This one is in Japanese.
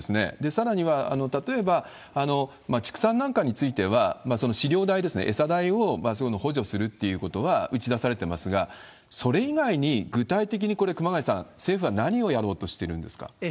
さらには、例えば畜産なんかについては、その飼料代ですね、餌代を補助するってことは打ち出されてますが、それ以外に具体的にこれ、熊谷さん、政府は何をやろうとしてるんですか？